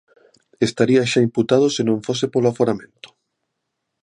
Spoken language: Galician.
Estaría xa imputado se non fose polo aforamento.